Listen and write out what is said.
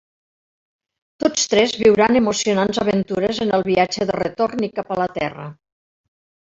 Tots tres viuran emocionants aventures en el viatge de retorn i cap a la terra.